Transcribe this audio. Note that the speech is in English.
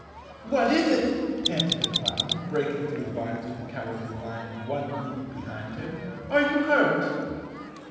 "What is it?" panted the clown, breaking through the vines with the Cowardly Lion one leap behind him. "Are you hurt?"